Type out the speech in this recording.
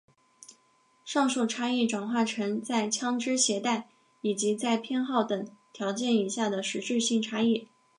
上述差异转化成在枪枝携带以及在偏好等条件以下的实质性差异。